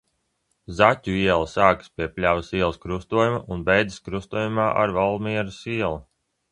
Zaķu iela sākas pie Pļavas ielas krustojuma un beidzas krustojumā ar Valmieras ielu.